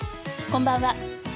こんばんは。